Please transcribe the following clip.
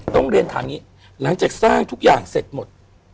ต้องเรียนถามอย่างนี้หลังจากสร้างทุกอย่างเสร็จหมด